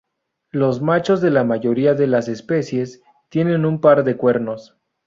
Los machos de la mayoría de las especies tienen un par de cuernos.